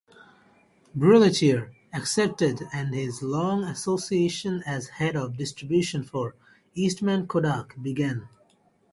Brulatour accepted and his long association as head of distribution for Eastman Kodak began.